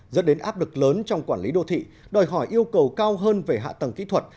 dẫn đến áp lực lớn trong quản lý đô thị đòi hỏi yêu cầu cao hơn về hạ tầng kỹ thuật